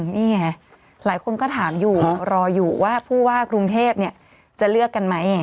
นี่ไงหลายคนก็ถามอยู่รออยู่ว่าผู้ว่ากรุงเทพจะเลือกกันไหม